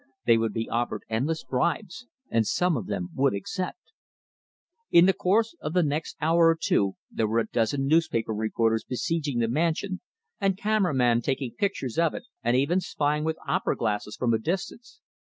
They would be offered endless bribes and some of them would accept! In the course of the next hour or two there were a dozen newspaper reporters besieging the mansion, and camera men taking pictures of it, and even spying with opera glasses from a distance.